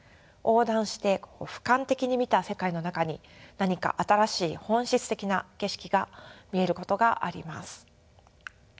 横断してふかん的に見た世界の中に何か新しい本質的な景色が見えることがあります。